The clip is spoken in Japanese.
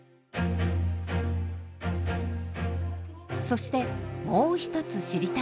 そしてもう一つ知りたいことが。